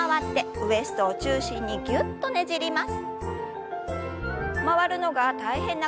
ウエストをぎゅっとねじります。